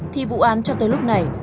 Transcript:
thì vụ án cho tới lúc này